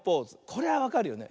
これはわかるよね。